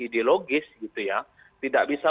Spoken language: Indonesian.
ideologis gitu ya tidak bisa